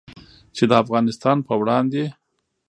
چې د افغانستان په وړاندې